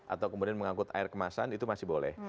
atau kemudian mengangkut air kemasan itu masih boleh